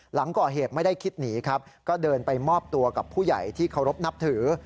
หลังก่อเหตุไม่ได้คิดหนีครับก็เดินไปมอบตัวกับผู้ใหญ่ที่เคารพนับถือ